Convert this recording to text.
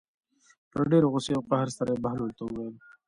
په ډېرې غوسې او قهر سره یې بهلول ته وویل.